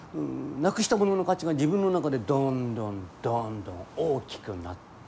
なくしたものの価値が自分の中でどんどんどんどん大きくなる。